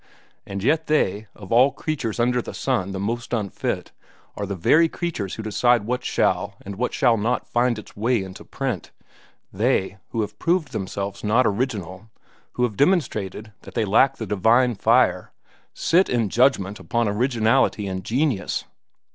And yet they, of all creatures under the sun the most unfit, are the very creatures who decide what shall and what shall not find its way into print—they, who have proved themselves not original, who have demonstrated that they lack the divine fire, sit in judgment upon originality and genius.